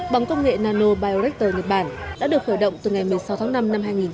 bằng công nghệ nanobioreactor nhật bản đã được khởi động từ ngày một mươi sáu tháng năm năm hai nghìn một mươi tám